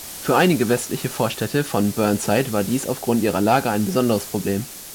Für einige westliche Vorstädte von Burnside war dies aufgrund ihrer Lage ein besonderes Problem.